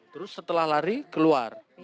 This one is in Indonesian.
terus setelah lari keluar